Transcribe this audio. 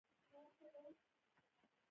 لمسی د ژمنو پابند وي.